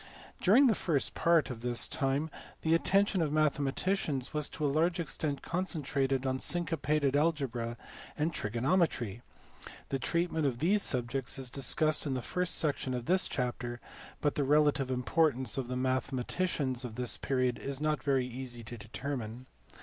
During the first part of this time the attention of mathe maticians was to a large extent concentrated on syncopated algebra and trigonometry : the treatment of these subjects is discussed in the first , section of this chapter, but the relative importance of the mathematicians of this period is not very easy to determine.